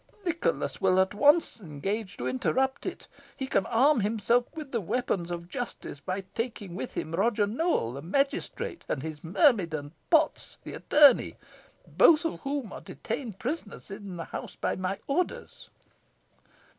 Nicholas will at once engage to interrupt it. He can arm himself with the weapons of justice by taking with him Roger Nowell, the magistrate, and his myrmidon, Potts, the attorney, both of whom are detained prisoners in the house by my orders."